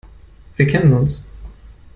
Wir kennen uns.